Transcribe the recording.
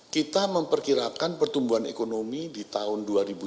kita memperkirakan pertumbuhan ekonomi di tahun dua ribu dua puluh